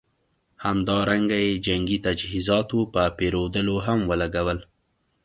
همدارنګه یې جنګي تجهیزاتو په پېرودلو هم ولګول.